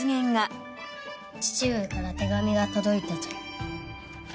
父上から手紙が届いたぞよ。